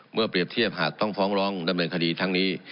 เปรียบเทียบหากต้องฟ้องร้องดำเนินคดีทั้งนี้